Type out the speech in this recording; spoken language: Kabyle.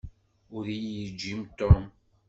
Ur iyi-yejjim Tom.